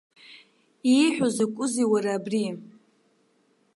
Ииҳәо закәызеи, уара, убри?!